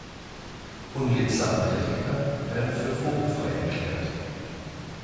Unliebsame Kritiker werden für vogelfrei erklärt.